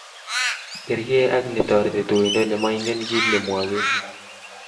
Kerkei ak ne torei tuindo nemoingen kit nemwokei